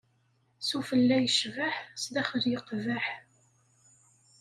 Sufella yecbeḥ, sdaxel yeqbeḥ.